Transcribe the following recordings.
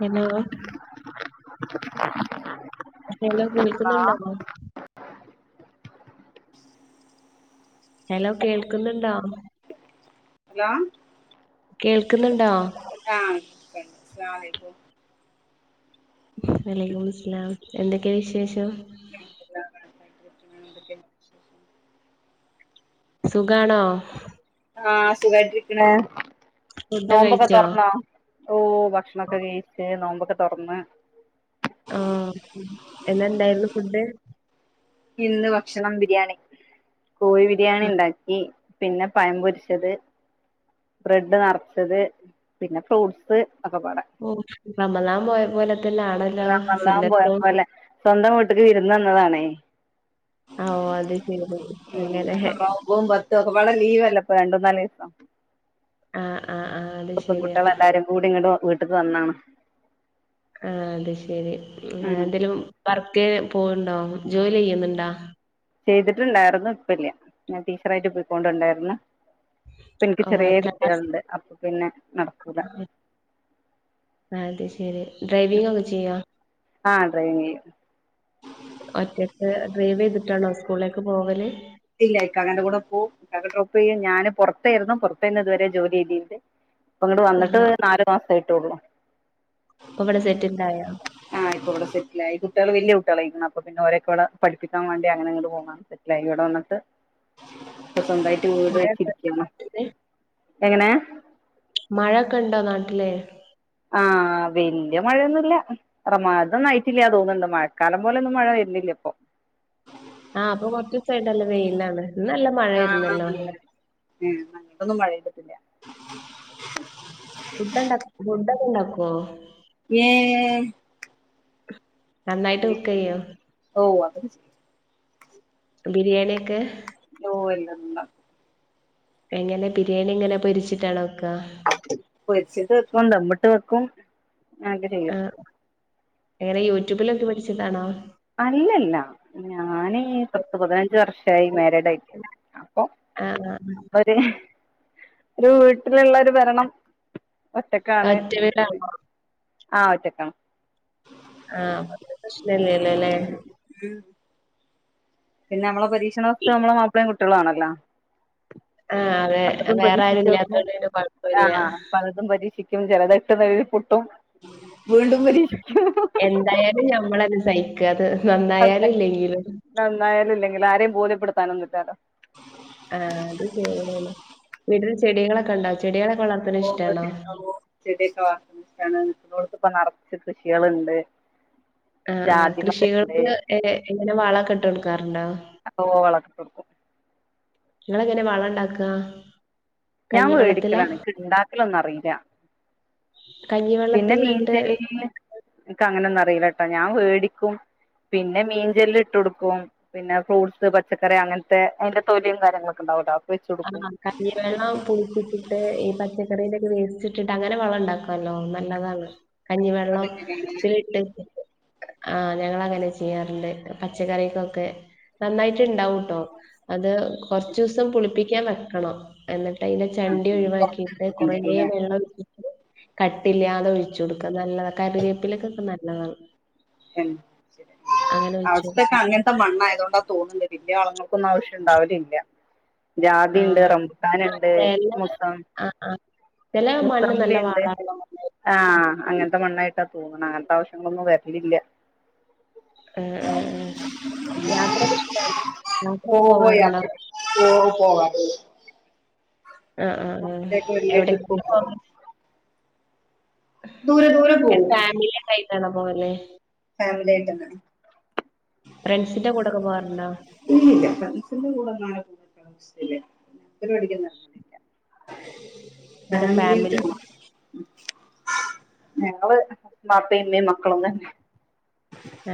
Hello [inaudible] പക്ഷെ നിങ്ങള് കേള്ക്കുന്നുണ്ടാവോ [inaudible] hello കേൾക്കുന്നുണ്ടാ ഹലോ കേൾക്കുന്നുണ്ടോ ആ അസലാമു അലൈക്കും വലൈക്കുമുസലാം എന്തൊക്കെ വിശേഷം [inaudible] സുഖാണോ ആഹ് സുഖായിട്ടിരിക്ക്ണ് ഫുഡ് നോമ്പൊക്കെ കഴിച്ചോ തൊറന്നോ ഓ ഭക്ഷണൊക്കെ കഴിച്ച് നോമ്പൊക്കെ തൊറന്ന് ആഹ് എന്നാ ഇണ്ടായിരുന്നു ഫുഡ് ഇന്ന് ഭക്ഷണം ബിരിയാണി കോഴി ബിരിയാണി ആ, ഇണ്ടാക്കി പിന്നെ പഴം പൊരിച്ചത് ബ്രെഡ് നെറച്ചത് പിന്നെ ഫ്രൂട്ട്സ് ഒക്കപാടെ റമളാന് പോയപ്പോലെ റമളാന് പോയപ്പോലെ സ്വന്തം വീട്ട്ക്ക് വിരുന്നു വന്നതാണേ ആ, ഓ അത് ശരി ഉം അങ്ങനെ അപ്പോ ഒമ്പതും പത്തൊക്കപാടെ ലീവിലല്ലെ ഇപ്പൊ രണ്ടുന്നാല് ആ ആ ഇപ്പം പെൺകുട്ട്യാളെല്ലാരും കൂടി ഇങ്ങട്ട് വീട്ട്ക്ക് വന്നാണ് ആ അത് ശെരി ഉം എന്തേലും വ ർക്ക് പോവ്ണ്ടോ ജോലി ചെയ്യ്ന്ന്ണ്ടാ ചെയ്തിട്ട്ണ്ടാര്ന്നു ഇപ്പല്ലാ ഞാൻ ടീച്ചറായിട്ട് പോയിക്കോണ്ട് ഇണ്ടായിരുന്ന് ഇപ്പം ഇനിക്ക് ഓ ചെറിയ എത്ര ക്ലാസ് കുട്ടികള്ണ്ട് അപ്പം പിന്നെ നടക്കൂല്ലാ ആ അത് ശ ഡ്രൈവിങ്ങക്കെ ചെയ്യൊ ആഹ് ഡ്രൈവിങ് ചെയ്യും ഒറ്റക്ക് ഡ്രൈവ് ചെയ്തിട്ടാണോ സ്കൂളിലേക്ക് പോവല് ഇല്ല ഇക്കാകന്റെ കൂടെ പോവും കാക്ക ഡ്രോപ്പ് ചെയ്യും ഞാന് പൊറത്തെര്ന്നു പൊറത്തന്ന് ഇത് വേരെ ജോലി ചെയ്തിര്ന്നത് ഇപ്പം ഇങ്ങട് വന്നിട്ട് ആഹ് നാല് മാസായിട്ടേള്ളു അപ്പൊ ഇവിടെ സെറ്റിൽഡായോ ആ ഇപ്പൊ ഇവടെ സെറ്റിലായി കുട്ട്യാള് വല്ല്യാ കുട്ട്യാളായിക്ക്ണ് അപ്പം പിന്നെ ഓരെക്കേ ഇവടെ പഠിപ്പിക്കാൻ വാണ്ടി അങ്ങനെ ഇങ്ങട് പോന്നാണ് സെറ്റലായെ ഇവടെ വന്നി ട്ട് ഇപ്പം സ്വന്തായിട്ട് മഴയൊക്കെ വീടായിട്ടിരിക്കാണ് എങ്ങനെ മഴൊക്കണ്ടോ നാട്ടില് ആ വെല്ല്യ മഴയൊന്നുല്ലാ [unintelligible] ആയിട്ടില്ലാന്ന് തോന്ന്ണ്ട് മഴക്കാലം പോലെ ഒന്നും മഴ വെര്ന്നില്ലപ്പൊ ആ ഇപ്പൊ കൊറ്ച്ചീസായിട്ട് നല്ല വെയിലാണ് ഇന്ന് നല്ല മഴയാരുന്നല്ലോ ഏ അങ്ങട്ടൊന്നു മഴെയ്തിട്ടില്ല ഫുഡാണ്ടാ ഫുഡോക്കെ ഒണ്ടാക്കുവോ യെ നന്നായിട്ട് കുക്ക് ചെയ്യോ ഓഹ് അതൊക്കെ ബിരിയാണിയെക്കേ [unintelligible] എങ്ങനെ ബിരിയാണി എങ്ങനെ പൊരിച്ചിട്ടാണോ വെക്കാ പൊരിച്ചിട്ട് വെക്കും ദംമിട്ട് വെക്കും അങ്ങക്ക് ചെയ്യും [unintelligible] യൂട്യൂബിലൊക്കി പഠിച്ചതാണോ അല്ല അല്ല ഞാന് പത്ത്, പതിനഞ്ച് വർഷായി മാരേഡ് ആയിട്ട ആാ അവര് ഒര് വീട്ടിലൊള്ള ഒര് ബരണം ഒറ്റക്കാണ് ഒറ്റ വീടാണോ ആാ ഒറ്റക്കാണ് ആാ പ്രശ്നല്ലല്ലോ അല്ലേ പിന്നെ നമ്മളെ പരീക്ഷണ വസ്തു നമ്മളെ മാപ്പിളേയും കുട്ടികളെ ആണല്ലോ ആഹ് അതെ പലതും വേറെ ആരും പരീക്ഷിച്ചൊക്കുന്നു ഇല്ലാത്തോണ്ട് പിന്നെ ആാ കൊഴപ്പല്ല ആാ പലതും പരീക്ഷ ചേലത് എട്ട് നെലേ പൊട്ടു വീണ്ടും പരി എന്തായാലും ഞമ്മളന്നെ സഹിക്കുക. അത് അത് നന്നായാലും തന്നെ ഇല്ലെങ്കിലും. നന്നായാലും ഇല്ലെങ്കിലും ആരെയും ബോധ്യപ്പെടുത്താനൊന്നും ഇല്ലോ ആാ [unintelligible] വീട്ടില് ചെടികളൊക്കെ ഒണ്ടാ [inaudible] ഇപ്പം നെറച്ച് കൃഷികളോണ്ട് ആാ ആാ കൃഷികൾക്ക് എ എങ്ങനെ വാളോക്കെട്ട് കൊട്ക്കാറേണ്ടോ അപ്പൊ [unintelligible] നിങ്ങളെങ്ങനെ വളം ഒണ്ടാക്ക്യാ ഞാൻ മേടിക്കലാണ് ഒണ്ടാക്കലെന്നും അറിയില്ല പിന്നെ മീൻ കഞ്ഞിവെള്ളത്തിലിട്ട് [unintelligible] എനക്ക് അങ്ങനെന്നും അറിയില്ല കേട്ടോ ഞാൻ വേടിക്കും പിന്നെ മീൻചെല്ല് ഇട്ട് കൊടുക്കും പിന്നെ ഫ്രൂട്ട്സ് പച്ചക്കറി അങ്ങനത്തെ അയിന്റെ തൊലിയും കാര്യങ്ങളൊക്കെ ഒണ്ടാവൂട്ടോ ആാ [unintelligible] വേണം പുളിച്ചിട്ടിട്ട് ഈ പച്ചക്കറിയിലൊക്കെ വേസ്ട്ട് അങ്ങനെ വളം ഒണ്ടാക്കുവാല്ലോ നല്ലതാണ് കഞ്ഞിവെള്ളം അതെങ്ങനെയാണ് ത്തില്ട്ട് ആാ ഞങ്ങള് അങ്ങനെ ചെയ്യാറോണ്ട് പച്ചക്കറിക്കൊക്കെ നന്നായിട്ടിണ്ടാവൂട്ടോ അത് കൊറച്ചൂസം പുളിപ്പിക്കാൻ വെക്കണം എന്നിട്ട് ട്ടൈന്റെ ആ ചണ്ടി ആ ഒഴിവാക്കിയിട്ട് പൊറത്തെടുത്ത്ക്കേണ്ടി കൊറേ വരൂല്ലേ വെള്ളം ഒഴിച്ച് കട്ടിയില്ല്യാതെ ഒഴിച്ചു കൊടുക്കാ നല്ലതാ കറിവേപ്പിലക്കൊക്കെ നല്ലതാണ് എൻ അങ്ങനെ ഒഴിച്ചു അവസ്ഥയൊതക്കെ കൊടുക്കും അങ്ങൻത്തെ മണ്ണായതൊണ്ടാ തോന്ന്ണ്ട് വല്യവളങ്ങളും ക്കുന്നാവശ്യഇണ്ടാവലില്ല ജാതിഇണ്ട്, ആഹ് ആഹ് റംബുട്ടാന്ണ്ട് ചെല മൊത്തം ആഹ് ആഹ് ചെല മണ്ണ് നല്ല മുസംബിഇണ്ട് വളള്ള മണ്ണായിരിക്കും ഉം ആഹ് അങ്ങൻത്തെ മണ്ണായി ട്ടാതോന്നണം അങ്ങൻത്താവശ്യങ്ങളൊന്നും വരലില്ല ഏഹ് ഏഹ് ഏഹ് യാത്രേക്കെ ഇഷ്ടാണ് യാത്രേക്കെ പോകാറുണ്ടാ ആ പോകാറ്ണ്ട് ആ ആ ആ ഒറ്റക്ക് വലിയ എവിടെക്കെ ട്രിപ്പ് [unintelligible] പോവോ പോവല് ദൂരെ ദൂരെ എൻ ഫാമിലിയായിട്ടായിട്ടാണോ പോവല് ഫാമിലിയായിട്ടാണ് ഉം ഫ്രണ്ട്സിന്റെ കൂടൊക്കെ പോവാറ്ണ്ടോ ഇല്ലില്ലില്ല ഫ്രണ്ട്സിന്റെ കൂടൊന്നുള [inaudible] [unintelligible] അങ്ങനെ ഫാമിലി ഫാമിലിയായ്ട്ടാ പോണെ ഞങ്ങള് ബാപ്പേമ്മേം മക്കളൊന്ന്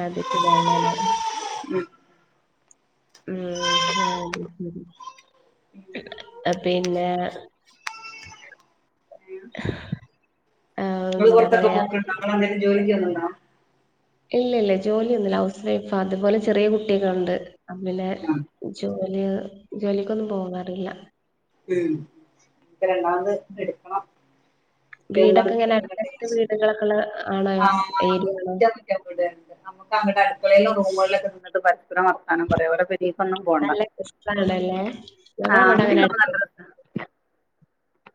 ആത് സുഖാണല്ലോല്ലേ ഉം അത്ശെരി പിന്നെ ആഹ് ഇങ്ങള് എന്താ പൊറത്തൊക്കെ പറയാ പോക്ക്ണ്ടോ ഇമ്മള് എന്തെങ്കിലും ജോലിക്ക് പോണുണ്ടോ ഇല്ലില്ല ജോലിയൊന്നൂല്ല ഹൗസ് വൈഫ് അതുപോലെ ചെറിയ കുട്ടികളുണ്ട് പിന്നെ ആ ജോലിക ജോലിക്കൊന്നും പോകാറില്ല ഉം പ്പരണ്ടാമത് എടുക്കണം എന്നാണ് വീടൊക്കെ ഇങ്ങനെ തീയതീറിഞ്ഞിട്ടേ അടുത്തടുത്ത് വീടുകളൊക്കെ ഉള്ള ആണോ ആ ഏരിയ ആണോ മിക്കളിക്കാൻ വിട്വാരുന്ന് നമുക്കങ്ങനെ പൊരേലോ റൂമുകളിലോക്കെ നിന്നിട്ട് പരസ്പരം വർത്താനംപറയ്ഓരൊപ്പിരി ഇനീപ്പെങ്ങുംപോണ്ട നല്ല കൃഷ്ണാണല്ലേ ഞങ്ങളവിടെ അങ്ങനെ ആങ്ങനക്കെ അടുത്ത് മ്മള്കണ്ടര്ണ്ട്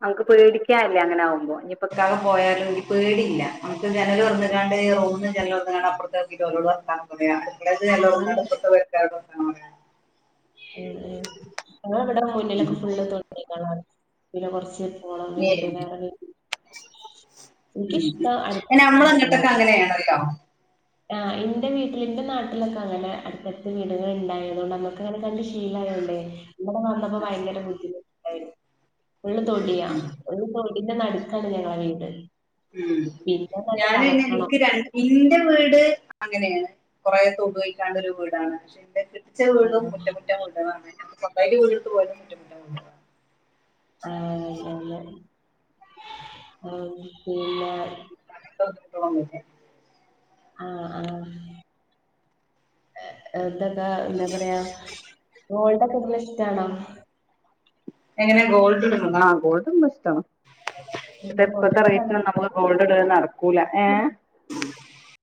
അമ്ക്ക് പേടിക്കാൻല്ല്യാ അങ്ങനാവുമ്പോ. ഇനീപ്പൊക്കാക പോയാലും ഇക്ക് പേടീല്ല നമുക്ക് ജനല് തൊറന്ന്ഴിഞാല് ദേ ഈ റൂമ്ജനലൊറന്നാണാ അപ്പറത്തെവീട്ട്ലെ ഓരോട് വർത്താനംപറയാ ൻ്റേടത്തെ ജൻലൊറന്നാല് നല്ല ഇപ്പുറത്ത് എം വീട്ടിലെ ഓരോട് വർത്തമാനം പറയാ ഉം ഉം ആ ഇവിടെ ഉം മുന്നിലൊക്കെ ഫുള്ള് തൊ പിന്നെ കൊർച്ച് പോളം വീട്ടിലെറങ്ങി ഊംഉം പിന്നെ അമ്മള അങ്ങോട്ടൊക്കെ അങ്ങനെയാട്ടോധികം ആഹ് ഇന്റെ വീട്ടിലിന്റെ നാട്ടിലൊക്കെ അങ്ങനെ അടുത്തടുത്ത് വീടുകള്ണ്ടായതുകൊണ്ട് നമ്മുക്കങ്ങനെ കണ്ട് ശീലാ ര്ണ്ടേ ഇവിടെ വന്നപ്പോ ഭയങ്കര ബുദ്ധിമുട്ടുണ്ടായിരുന്നു ഫുള്ള് തൊടിയാ ഫുള്ളു തൊടീന്റെ നടുക്കാണ് ഞങ്ങളെ വീട് ഊം പിന്നെ അങ്ങട്ട് ഞാനുപിന്നെ കടക്കണം ഇൻക്ക് രൺ ഇന്റെ വീട് ട് അങ്ങനെയാണ് കൊറേ തോപ്പുകയ്ഞ്ഞിട്ടാണൊരു വീടാണ് പക്ഷെ ൻ്റെ ച്ചവീടും ആഹ് മുറ്റംമുറ്റം മുട്ടണതാണ് സൊന്തായിട്ട് വീടെടുത്ത് പോയതും മുറ്റംമുറ്റം മുട്ടണതാണ് ആണ് [unintelligible] ആ പിന്നെ ട്ടോർക്ക് കിട്ടണംന്നില്ലേ ആഹ് ആഹ് എ എന്താണി താ എന്താ പറയാ ഗോൾഡൊക്കെ [unintelligible] ഇഷ്ടാണോ ഗോൾഡിട്ണ്ട്ന്ന് ആ ഗോൾഡും ബെസ്റ്റാണ് ഇപ്പൊ ദേഇപ്പത്തെ ഗോൾഡിന്റെ കളർ റേറ്റന് നമ്മള് ഗോൾഡ് ഇടുക നടക്കൂല ഏഹ്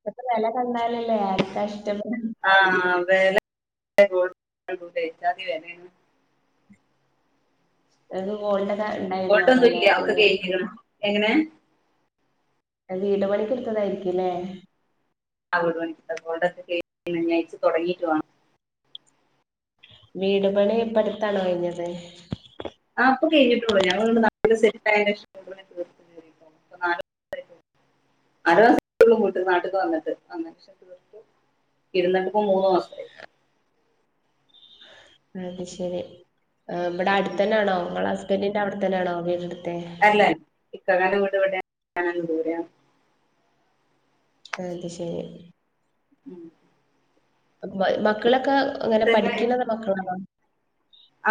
ഇപ്പത്തെ വെല കണ്ടാലല്ലേ ആർക്കാഷ്ടപ്പെ ആഹ് വേല എഗോൾഡ് പണ്ടൂട്ടെ ഇജ്ജാതി വെലയാണ് അതുഗോൾഡൽ ഗോൾഡൊന്നൂല്ല്യാ ഒക്കെ ഗേക്കിക്കണ് എങ്ങനെ വീട് പണിക്കെടുത്തതായിരിക്കൂല്ലേ ആ അവിടു വണ്ടി ത കോളുടെൊക്കെ കേയച്ചു തുടങ്ങിയിട്ടുാണ് വീട് പണി ഇപ്പടുത്താണ് കഴിഞ്ഞത് ആ അപ്പൊ കഴിട്ടുള്ളൂ ഞ ന സൊയർ [unintelligible] അരസ നാട്ടേക്ക് വന്നിട്ട് വ പക്ഷീർത്ത ഇരുന്നിട്ടിപ്പ മൂന്ന്ു മാസായി അതത് ശെരി ഇമ്മടെ അടുത്ത ഉം തന്നൊണോ നിങ്ങളടെ ഹസ്ബൻറിിന്റെ അവിടെ തന്നൊണോ വീടു അല്ല ഇക്കങ്ങ വീട് ഇവിടെ ദൂറെയാണ് അ അത് ശരി ഉം മക്കളൊക്കെ അങ്ങനെ പഠിക്കുന്നത് മക്കളാണോ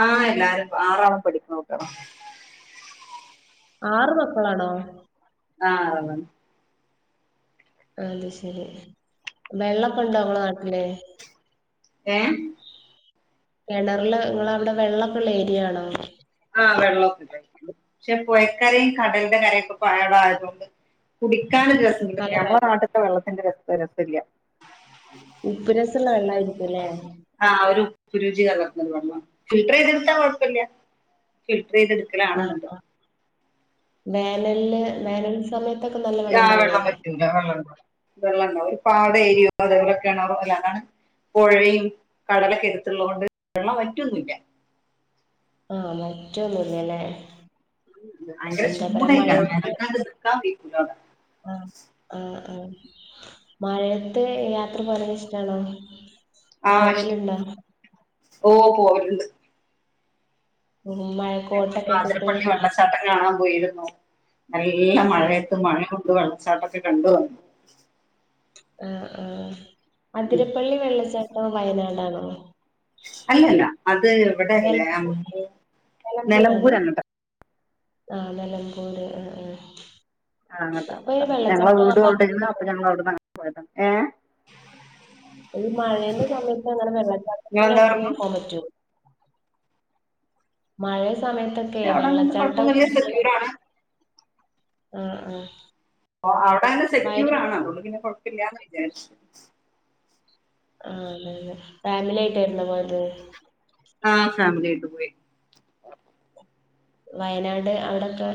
ആഹ എല്ലാരും ആറാണം പഠിക്ക നോക്കണംോ ആറ് മക്കളാണോ ആഹ് ആരണ്ണം അത് ശെരി വെള്ളപ്പ ഇണ്ട അവളെ നാട്ടിലെ ഏ കിണറില് നിങ്ങ അവിടെ വെള്ളൊക്കെള്ള ഏരിയ ആണോോ ആഹ് വെള്ളമൊക്കെല്ല പക്ഷെ പുഴക്കരയും കടലിന്റെ കരൊക്കെ പടം ആയതുകൊണ്ട് കുടിക്കാന രസമ നല്ല നമ്മുടെ വെള്ളം നാട്ടിലത്തെ വെള്ളത്തിന്റെ രസ രസല്ല ഉപ്പ് രസള്ള വെള്ളായിരിക്കുംല്ലേ ആഹ ഒരുരുചി കള ഫിൽർ ചെയ്തെടുത്താ കൊഴപ്പില്ല ഫിൽട്ടർ ചെയ്തെടുക്കലാണെന്നണ്ട് വേനല് വേനൽ സമയത്ത് ആ വെള്ളം പറ്റില്ല വെള്ളള്ള വെള്ളം ഒരു പാട ഏരിയോ അതപോലെൊക്കെയാണ് ഓർല്ല അതാണ് പുഴയും കടലൊക്കെ എടുത്തുള്ളതത് കൊണ്ട് വെള്ള വറ്റൊന്നില്ല ആ മറ്റൊന്നുംല്ലല്ലേ ഭയങ്കര എന്താ പറയാ ചൂടായി മഴയത്ത് കാരക്കത് നിക്കാൻ വയ്ക്കൂല മലയത്തെ യാത്ര പറയുന്നത് ഇഷ്ടാണോ ആ ആഹ ഇഷ്ടം വലുണ്ട ഓ പോട്ടുണ്ട് ഉം ഞങ്ങള് മഴക്കോട്ടൊക്കെ ഇട്ടിട്ട് വാതിരപ്പള്ളി വെള്ളച്ചാട്ട കാണോ പോയിരുന്നു നല്ല ആഹ് മഴയത്ത് മഴ കൊൊണ്ട് വെള്ളച്ചാട്ടൊക്കെ കണ്ട വന്നു ആ ആഹ ഉം അതിരപ്പള്ളി വെള്ളച്ചാട്ടം വയനാടാണോ അല്ല അല്ല അത് ഇവിടെയല്ലേ നിലമ്പൂ നിലമ്പൂരങ്ങട്ടെ ആഹ നലമ്പൂര് ആ ആ ആങ്ങട്ടാ അത്ത ഞങ്ങളെ വീട്വിടെന്ന് ഭാഗത്തേക്കൊക്കെ അപ്പൊ ഞങ്ങ അവിടന്ന് പോയത ഏ ഇഈ മഴേന്റെ സമയത്ത് അങ്ങെ വെള്ളച്ചാട്ടത്തിന്റെ നിങ്ങളെന്താ അടുത്ത് പറഞ്ഞു നോക്കാൻ പറ്റോ മഴയ സമയത്തൊക്കെ പക്ഷെ അവിടെ അങ്ങനത്തെ വെള്ളച്ചാട്ട കുഴപ്പമൊന്നുമില്ല സെക്യൂർ ആണ് ആഹ ആഹ ഓ അവിടെ അങ്ങനെ സെക്യൂർ ആണ അത പിന്നെ കൊഴപ്പില്ലന്ന് വിചാരിച്ച ആ അതെ അതെ ഫാമിലി ആയിട്ടായിുന്ന പോതയത് ആഹ ഫാമിലിായിട്ട് പോയി വയനാട് അങ്ങടെൊക്കെ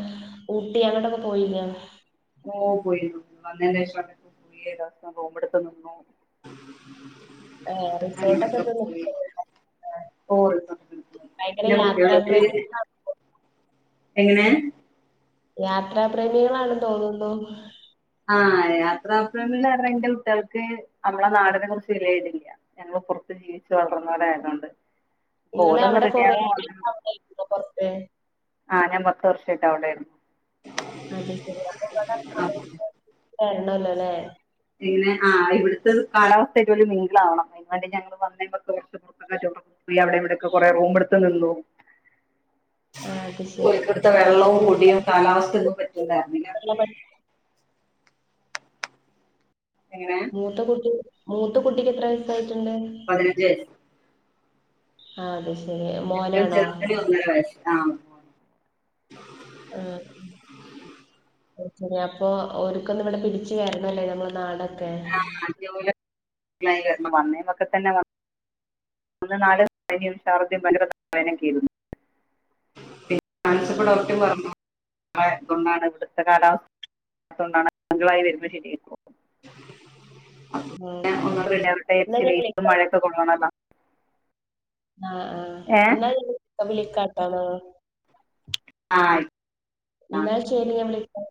ഊട്ടി അങ്ങട്ടൊക്കെ പോയില്ലെ ഓ പോയി വന്നേേഷം പോയിസ്ഥ പോുമ്പടുത്ത നിന്നു [inaudible] അ റിസോർട്ടൊക്കെ എടുത്ത് [unintelligible] ഓ ഭയങ്കര ഇന്നെ കുപ്പള യാത്രാപ്രേമി [unintelligible] എങ്ങനെ യാത്രാ പ്ര്രേമികളാണ തോന്നുന്നു ആഹ് യാത്ര പ്രേമികൾ പറഞ്ഞ എന്റെ കുട്ടികൾക്ക് നമ്മളെ നാടിനെ കുറിച്ച് വിലയതിില്ല ഞങ്ങൾ പുറത്ത് ജീവിച്ച്ച് വളർന്ന പോല ആയതൊണ്ട് നിങ്ങള് അവിടെ കൊറെ ഇ ആ ഇ പൊ പൊർത്ത് ആ ഞാൻ പ്പത്ത് വർഷായിട്ട് അവിടൊയ് ർന്ന് അത് ശരി അപ്പൊ ഇബടെ കട ബിസിനസ് വരണം ല്ലാ ല്ലെ.. പിന്നെ ആ ഇവിട്ത്ത് കാലാവസ്ഥയ്റ്റ് മിംഗ്ള്ളാവാണം എന്നാലെ ഞങ്ങൾ വന്ന [inaudible] [unintelligible] അവിടെയും ഇവിടയും ഒക്കെ കൊറെ റൂംട്ത്ത് നിന്നു. [unintelligible] അത് ശരി ഒരികൊടുത്തെ വെള്ളവും പൊടിയും മൂത്ത കാലാവസ്ഥക് പറ്റൻഡേ. കുട്ടികളെ [unintelligible] എങ്ങനെ മൂത്ത കുട്ടി മൂത്ത കുട്ടിക്ക് എത്ര വയസായിട്ട്ട് പതിനഞ്ച് വയസ്സ് ആ അത് ശരി. ഏറ്റവും മോനാണോ ചെറുതിന് ഒന്നരാ വയസ് ആഹ. ആ ഉം അത് ശരി അപ്പൊ ഒര്ക്കൊന്ന് ഇവിടെ തിരിച്ച് വരുന്നല്ലേ നമ്മള നാടൊക്കെ [unintelligible] വന്നി ഒക്കെ തന്നെ വന്ന മൂന്ന് നാല്ല് [unintelligible] കിരുന്ന് പി ആ അന്വേഷിച്ചപ്പോൾ ആ ഓകെ പറഞ്ഞു [unintelligible] ഇവിടുത്തെ കാലാവസ്ഥ പറ്റാത്തതു കൊണ്ടാണ് മിങ്കൾ ആവുമ്പോൾ ശരി ആയിക്കോളും [unintelligible] ചില ഓക്കെ ഓക്കെ എന്നാ സമയത്ത് ഞാൻ വൈലും വിളിക്കാം മഴയും കൊള്ളണാല്ലാ ആ ആ ഏഹ് ഇന്നാ ഞാൻ വിളിക്കാട്ടോ മം ആ ആയി എന്നാ ശരി ഞാ വിളിക്കാ...